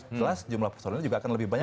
jelas jumlah personilnya juga akan lebih banyak